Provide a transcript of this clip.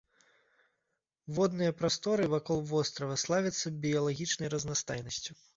Водныя прасторы вакол вострава славяцца біялагічнай разнастайнасцю.